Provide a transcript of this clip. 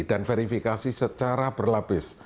dan verifikasi secara berlapis